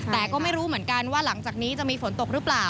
แต่ก็ไม่รู้เหมือนกันว่าหลังจากนี้จะมีฝนตกหรือเปล่า